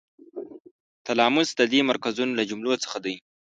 تلاموس د دې مرکزونو له جملو څخه دی.